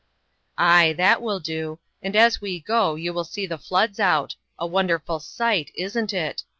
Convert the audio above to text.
"Ay, that will do; and as we go, you will see the floods out a wonderful sight, isn't it?